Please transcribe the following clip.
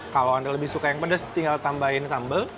kalau anda lebih suka yang pedas tinggal tambahin sambal